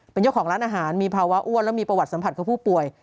เป็นเจ้าของร้านอาหารมีภาวะอ้วนและมีประวัติสัมผัสของผู้ป่วย